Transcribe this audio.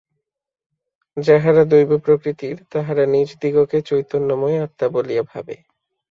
যাহারা দৈব প্রকৃতির তাহারা নিজদিগকে চৈতন্যময় আত্মা বলিয়া ভাবে।